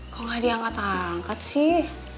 kok gak diangkat angkat sih